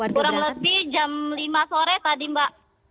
kurang lebih jam lima sore tadi mbak